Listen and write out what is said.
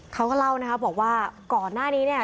เขาก็เล่านะครับบอกว่าก่อนหน้านี้เนี่ย